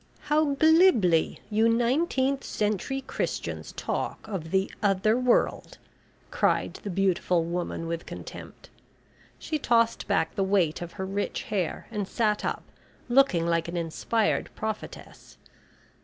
"How glibly you nineteenth century Christians talk of the `other world,'" cried the beautiful woman, with contempt. She tossed back the weight of her rich hair and sat up, looking like an inspired prophetess.